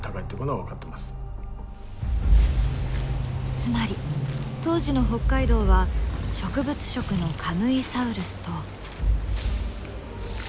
つまり当時の北海道は植物食のカムイサウルスと。